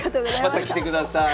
また来てください。